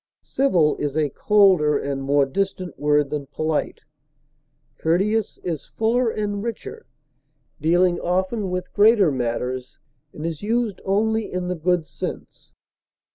Civil is a colder and more distant word than polite; courteous is fuller and richer, dealing often with greater matters, and is used only in the good sense.